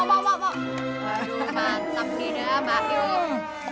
waduh mantap gila pak yuk